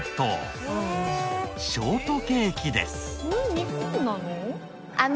日本なの？